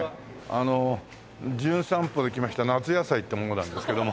あの『じゅん散歩』で来ました夏野菜って者なんですけども。